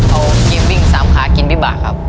เอาเกมวิ่งสามขากินพิบากครับ